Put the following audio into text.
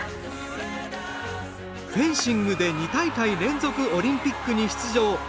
フェンシングで２大会連続、オリンピックに出場。